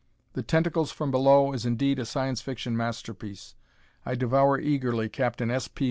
"The Tentacles from Below" is indeed a Science Fiction masterpiece. I devour eagerly Captain S. P.